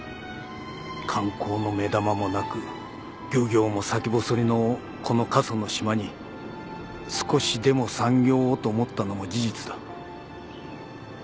観光の目玉もなく漁業も先細りのこの過疎の島に少しでも産業をと思ったのも事実だ。